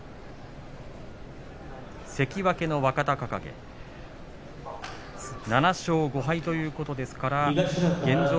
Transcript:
関脇の若隆景、７勝５敗ということですから現状